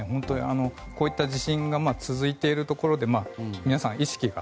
こういった地震が続いているところで皆さん意識が。